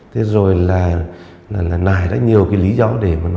thế rồi là nải ra nhiều cái lý do để mà nói ra